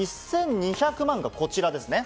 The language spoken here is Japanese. １２００万がこちらです。